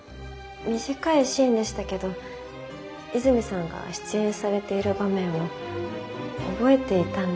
短いシーンでしたけど泉さんが出演されている場面を覚えていたんです。